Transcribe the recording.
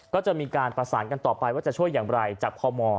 ก็จะมีการประสานกันต่อไปว่าจะช่วยอย่างไรจากพม